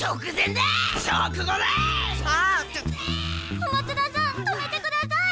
小松田さん止めてください！